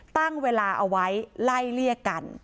ตั้งเวลาเอาไว้ไล่เลี่ยกัน